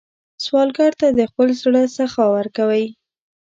سوالګر ته د خپل زړه سخا ورکوئ